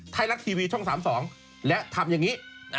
ไทยรัฐทีวีช่อง๓๒และทำอย่างนี้